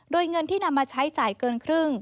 โดยเงินที่นำมาใช้จ่ายเกินครึ่ง